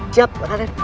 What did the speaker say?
siap pak tatian